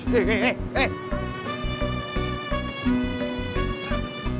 kalau nuna berencana